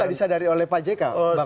tidak disadari oleh pak jk